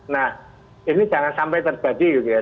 nah ini jangan sampai terjadi gitu ya